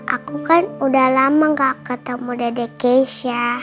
aku kan udah lama gak ketemu dedek keisha